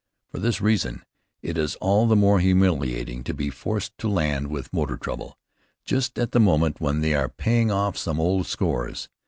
For this reason it is all the more humiliating to be forced to land with motor trouble, just at the moment when they are paying off some old scores.